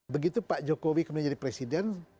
begitu pak jokowi kemudian jadi presiden